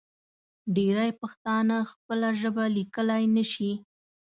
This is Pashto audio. ډېری پښتانه خپله ژبه لیکلی نشي.